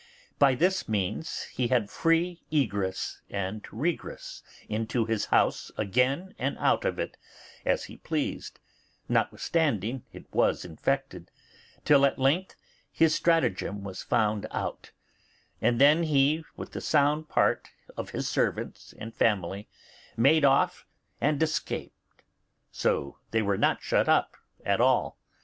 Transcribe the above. By this means he had free egress and regress into his house again and out of it, as he pleased, notwithstanding it was infected, till at length his stratagem was found out; and then he, with the sound part of his servants and family, made off and escaped, so they were not shut up at all.